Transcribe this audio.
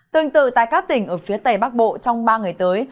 tương tự tại các tỉnh ở phía tây bắc bộ trong ba ngày tới